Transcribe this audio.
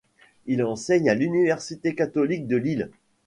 Il enseigne à l'Université catholique de Lille.